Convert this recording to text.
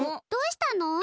どうしたの？